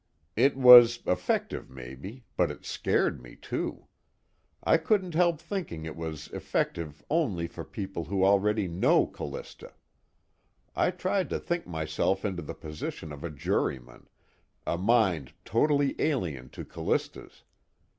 It was effective, maybe, but it scared me too. I couldn't help thinking it was effective only for people who already know Callista. I tried to think myself into the position of a juryman, a mind totally alien to Callista's.